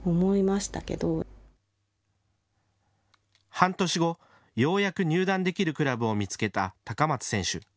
半年後、ようやく入団できるクラブを見つけた高松選手。